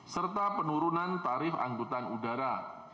serta penurunan tarif angkutan udara